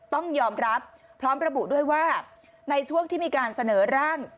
ต้องยอมรับพร้อมระบุด้วยว่าในช่วงที่มีการเสนอร่าง